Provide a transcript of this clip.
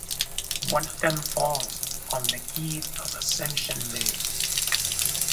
One of them falls on the Eve of Ascension Day.